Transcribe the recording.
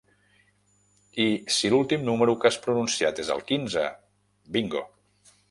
I si l'últim número que has pronunciat és el quinze, bingo.